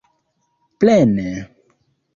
plene